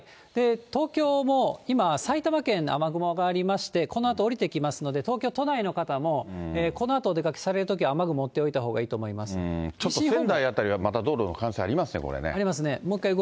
東京も今、埼玉県に雨雲ありまして、このあと下りてきますので、東京都内の方もこのあとお出かけされるときは雨雲っておいたほうちょっと仙台辺りはまた道路ありますね。